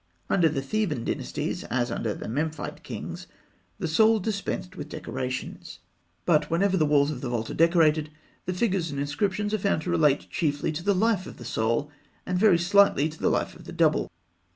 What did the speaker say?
Under the Theban dynasties, as under the Memphite kings, the Soul dispensed with decorations; but whenever the walls of the vault are decorated, the figures and inscriptions are found to relate chiefly to the life of the Soul, and very slightly to the life of the Double.